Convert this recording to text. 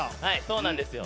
そうなんですよ。